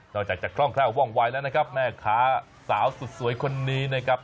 อกจากจะคล่องแคล่วว่องวายแล้วนะครับแม่ค้าสาวสุดสวยคนนี้นะครับ